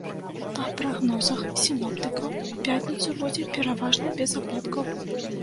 Па прагнозах сіноптыкаў, у пятніцу будзе пераважна без ападкаў.